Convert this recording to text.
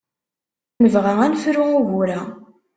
Nebɣa ad nefru ugur-a.